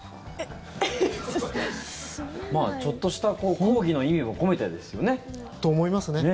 まあ、ちょっとした抗議の意味も込めてですよね。と思いますね。